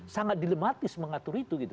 sangat dilematis mengatur itu